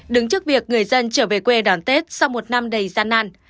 đứng trước việc người dân trở về quê đón tết sau một năm đầy gian nan